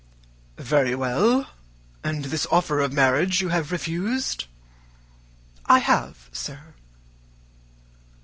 "Very well and this offer of marriage you have refused?" "I have, sir."